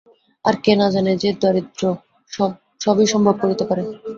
এ আর কে না জানে যে দারিদ্র্য সবই সম্ভব করিতে পারে?